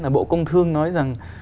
là bộ công thương nói rằng